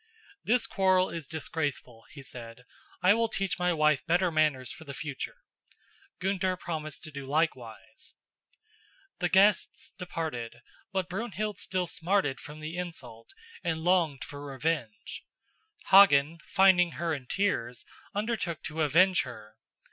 "This quarrel is disgraceful," he said. "I will teach my wife better manners for the future." Gunther promised to do likewise. The guests departed, but Brunhild still smarted from the insult and longed for revenge. Hagen, finding her in tears, undertook to avenge her.